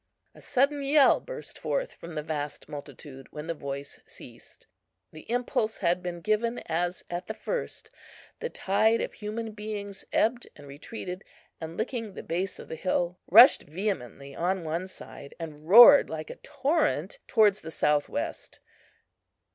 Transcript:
A sudden yell burst forth from the vast multitude when the voice ceased. The impulse had been given as at the first; the tide of human beings ebbed and retreated, and, licking the base of the hill, rushed vehemently on one side, and roared like a torrent towards the south west.